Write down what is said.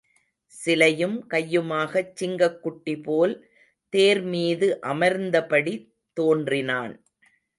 சிலையும் கையுமாகச் சிங்கக் குட்டி போல் தேர் மீது அமர்ந்தபடி தோன்றினான்.